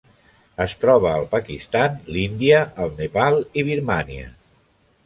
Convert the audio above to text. Es troba al Pakistan, l'Índia, el Nepal i Birmània.